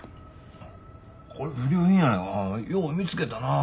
これ不良品やないかよう見つけたな。